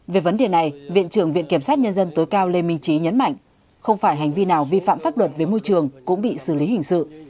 về vấn đề này viện trưởng viện kiểm sát nhân dân tối cao lê minh trí nhấn mạnh không phải hành vi nào vi phạm pháp luật về môi trường cũng bị xử lý hình sự